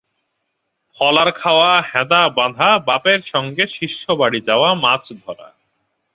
ফলার খাওয়া, হ্যাঁদা বাঁধা, বাপের সঙ্গে শিষ্যবাড়ি যাওয়া, মাছধরা।